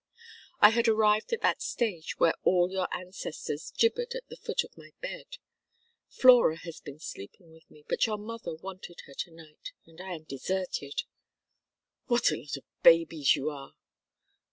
I had arrived at that stage where all your ancestors gibbered at the foot of my bed. Flora has been sleeping with me, but your mother wanted her to night, and I am deserted." "What a lot of babies you are!"